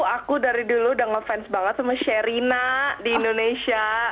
aku dari dulu udah ngefans banget sama sherina di indonesia